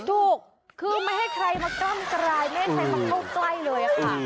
ถูกคือไม่ให้ใครมากล้ำกลายไม่ให้ใครมาเข้าใกล้เลยค่ะ